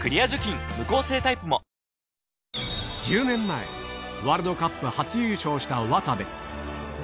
ＪＴ１０年前、ワールドカップ初優勝した渡部。